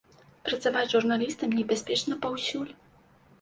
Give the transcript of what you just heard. Працаваць журналістам небяспечна паўсюль.